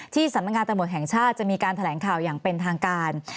สำนักงานตำรวจแห่งชาติจะมีการแถลงข่าวอย่างเป็นทางการ